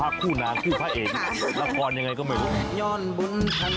คู่นางคู่พระเอกละครยังไงก็ไม่รู้